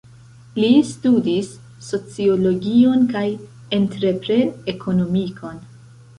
Li studis sociologion kaj entrepren-ekonomikon.